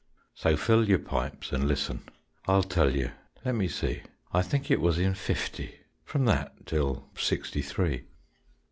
So fill your pipes and listen, I'll tell you let me see I think it was in fifty, From that till sixty three.